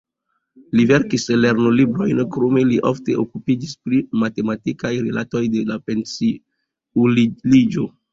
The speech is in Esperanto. Li verkis lernolibrojn, krome li ofte okupiĝis pri matematikaj rilatoj de la pensiuliĝo.